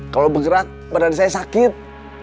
kalau bergerak badan saya sakit